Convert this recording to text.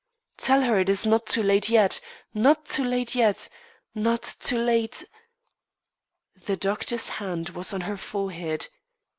Tell her it is not too late yet, not too late yet, not too late " The doctor's hand was on her forehead.